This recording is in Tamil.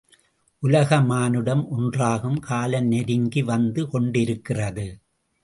உலக மானுடம் ஒன்றாகும் காலம் நெருங்கி வந்து கொண்டிருக்கிறது.